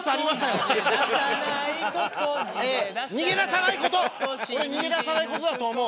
俺逃げ出さない事だと思う。